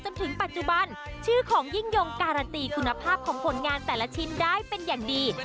จนถึงปัจจุบันชื่อของยิ่งยงการันตีคุณภาพของผลงานแต่ละชิ้นได้เป็นอย่างดี